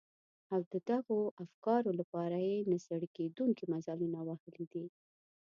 او د دغو افکارو لپاره يې نه ستړي کېدونکي مزلونه وهلي دي.